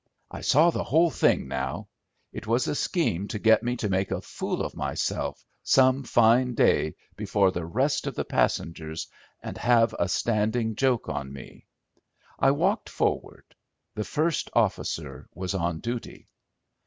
I saw the whole thing now. It was a scheme to get me to make a fool of myself some fine day before the rest of the passengers and have a standing joke on me. I walked forward. The first officer was on duty.